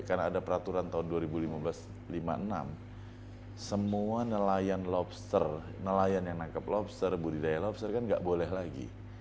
karena ada peraturan tahun dua ribu lima belas lima puluh enam semua nelayan lobster nelayan yang nangkep lobster budidaya lobster kan nggak boleh lagi